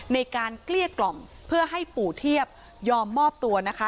เกลี้ยกล่อมเพื่อให้ปู่เทียบยอมมอบตัวนะคะ